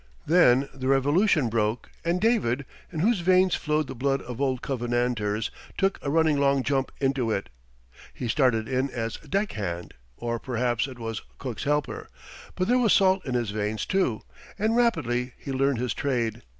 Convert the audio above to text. Then the Revolution broke, and David, in whose veins flowed the blood of old Covenanters, took a running long jump into it. He started in as deck hand or, perhaps, it was cook's helper, but there was salt in his veins too, and rapidly he learned his trade.